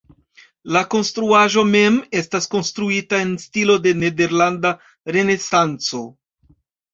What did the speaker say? La konstruaĵo mem estas konstruita en stilo de nederlanda renesanco.